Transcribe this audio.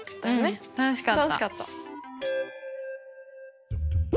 うん楽しかった。